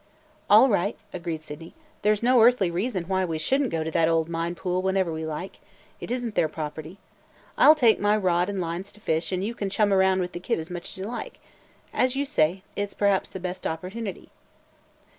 "All right," agreed Sydney. "There 's no earthly reason why we should n't go to that old mine pool whenever we like. It is n't their property. I 'll take my rod and lines to fish and you can chum around with the kid as much as you like. As you say, it 's perhaps the best opportunity."